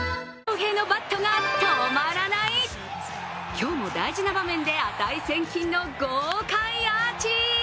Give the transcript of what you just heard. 今日も大事な場面で値千金の豪快アーチ。